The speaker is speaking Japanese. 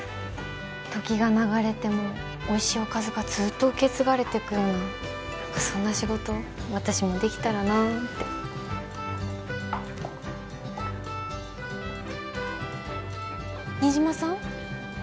時が流れてもおいしいおかずがずっと受け継がれてくような何かそんな仕事私もできたらなあって新島さん？